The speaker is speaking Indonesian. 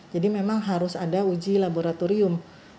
jadi memang harus ada uji laboratorium